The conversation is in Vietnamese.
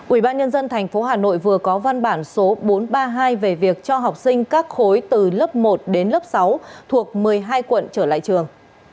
ủy ban nhân dân tp hà nội vừa có văn bản số bốn trăm ba mươi hai về việc cho học sinh các khối từ lớp một đến lớp sáu thuộc một mươi hai quận trở lại trường